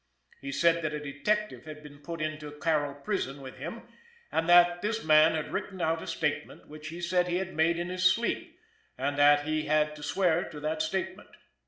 He said that a detective had been put into Carroll prison with him, and that this man had written out a statement which he said he had made in his sleep, and that he had to swear to that statement."